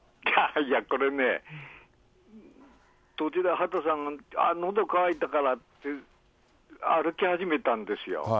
いや、これね、途中で畑さん、のどかわいたからって、歩き始めたんですよ。